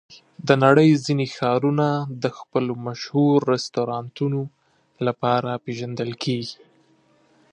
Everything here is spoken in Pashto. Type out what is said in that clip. د نړۍ ځینې ښارونه د خپلو مشهور رستورانتونو لپاره پېژندل کېږي.